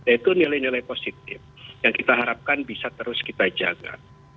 itu nilai nilai positif yang kita harapkan bisa terus kita jaga